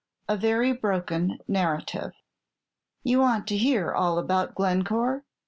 A VERY BROKEN NARRATIVE "You want to hear all about Glencore?"